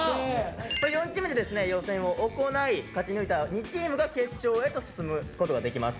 ４チームでですね予選を行い勝ち抜いた２チームが決勝へと進むことができます。